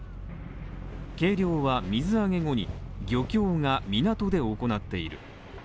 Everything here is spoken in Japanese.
計量は水揚げ後に、漁協が港で行っている。